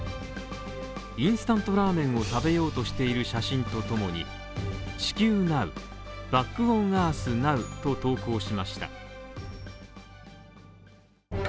インスタントラーメンを食べようとしている写真とともに「地球なうＢａｃｋｏｎｅａｒｔｈｎｏｗ」と投稿しました。